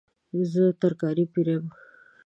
زه ترکاري پیرم